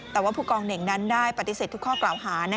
แต่ว่าผู้กองเหน่งนั้นได้ปฏิเสธทุกข้อกล่าวหา